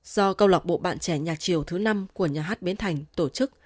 do câu lạc bộ bạn trẻ nhạc triều thứ năm của nhà hát bến thành tổ chức